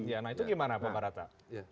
itu bagaimana pak rata